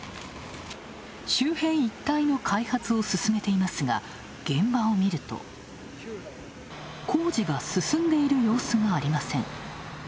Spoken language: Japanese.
周辺一帯の開発を進めていますが現場を見ると、工事が進んでいる様子がありません。